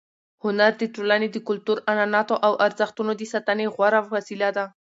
هنر د ټولنې د کلتور، عنعناتو او ارزښتونو د ساتنې غوره وسیله ده.